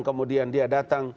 kemudian dia datang